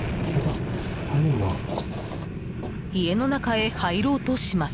家の中へ入ろうとします。